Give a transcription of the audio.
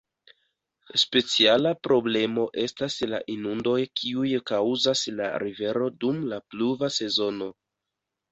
Speciala problemo estas la inundoj kiuj kaŭzas la rivero dum la pluva sezono.